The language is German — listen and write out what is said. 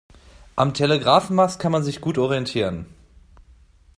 Am Telegrafenmast kann man sich gut orientieren.